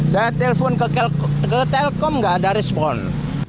saya telpon ke telkom nggak ada respon